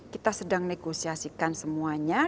kita sedang negosiasikan semuanya